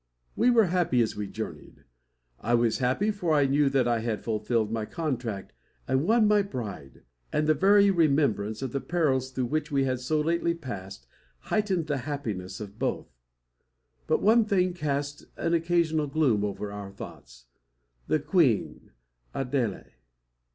We were happy as we journeyed. I was happy, for I knew that I had fulfilled my contract and won my bride; and the very remembrance of the perils through which we had so lately passed heightened the happiness of both. But one thing cast an occasional gloom over our thoughts the queen, Adele.